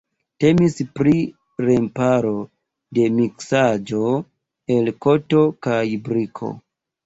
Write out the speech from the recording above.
Temis pri remparo de miksaĵo el koto kaj briko.